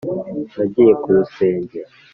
nagiye ku rusenge